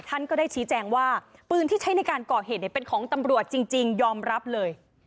ท่านก็ได้ชี้แจงว่าปืนที่ใช้ในการก่อเหตุเป็นของตำรวจจริงยอมรับเลย